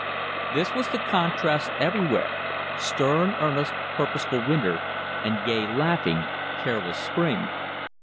This was the contrast everywhere stern, earnest, purposeful winter, and gay, laughing, careless spring.